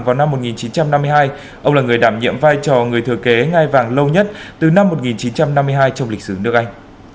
vào năm một nghìn chín trăm năm mươi hai ông là người đảm nhiệm vai trò người thừa kế ngai vàng lâu nhất từ năm một nghìn chín trăm năm mươi hai trong lịch sử nước anh